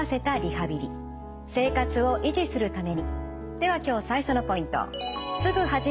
では今日最初のポイント。